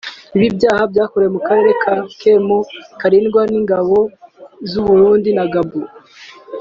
Ibi byaha byakorewe mu karere ka Kemo karindwa n’ingabo z’u Burundi na Gabon